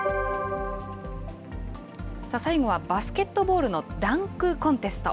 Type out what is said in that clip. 最後はバスケットボールのダンク・コンテスト。